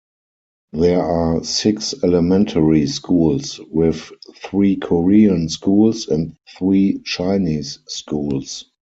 There are six elementary schools, with three Korean schools, and three Chinese schools.